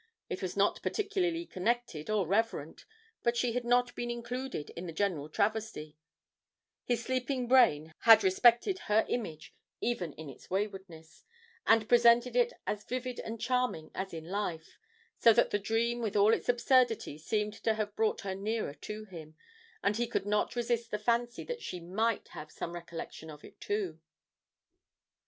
It was not particularly connected or reverent, but she had not been included in the general travesty his sleeping brain had respected her image even in its waywardness, and presented it as vivid and charming as in life, so that the dream with all its absurdity seemed to have brought her nearer to him, and he could not resist the fancy that she might have some recollection of it too.